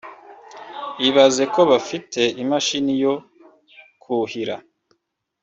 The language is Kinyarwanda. Ibaza ko bafite imashini yo kuhira